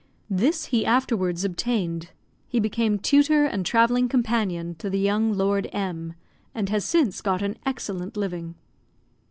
This he afterwards obtained. He became tutor and travelling companion to the young Lord M , and has since got an excellent living.